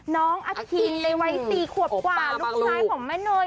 น้องอาทินเวียตีขวดกว่ารูปชายของแม่เนย